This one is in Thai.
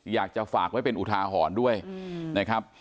อยากจะฝากไว้เป็นอุทาหรณ์ด้วยนะครับ